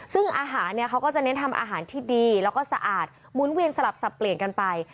ซึ่งอาหารเนี่ยเขาก็จะเน้นทำอาหารที่ดีแล้วก็สะอาดหมุนเวียนสลับสับเปลี่ยนกันไป